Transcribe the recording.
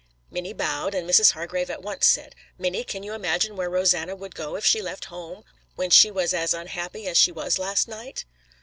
Minnie bowed, and Mrs. Hargrave at once said: "Minnie, can you imagine where Rosanna would go if she left home, when she was as unhappy as she was last night?"